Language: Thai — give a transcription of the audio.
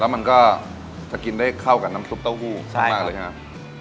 แล้วมันก็จะกินได้เข้ากับน้ำซุปเตาหู้เฉพาะนะคะใช่ครับ